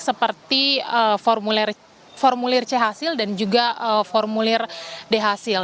seperti formulir c hasil dan juga formulir d hasil